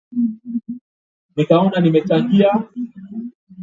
The color turns brown upon polymerization.